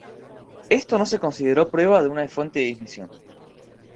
Esto no se consideró "prueba" de una fuente de ignición.